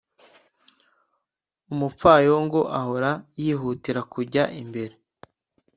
umupfayongo ahora yihutira kujya imbere.